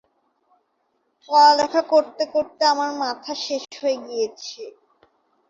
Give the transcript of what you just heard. ছাড়াও তিনি রবীন্দ্রনাথ ঠাকুর দ্বারা প্রভাবিত।